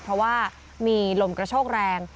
เพราะว่ามีลมกระโชกแรง